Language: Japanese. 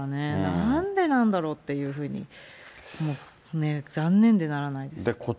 なんでなんだろうというふうに、残念でならないです。